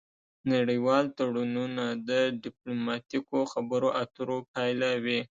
نړیوال تړونونه د ډیپلوماتیکو خبرو اترو پایله وي